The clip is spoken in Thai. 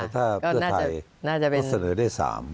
แต่ถ้าเพื่อไทยก็เสนอได้๓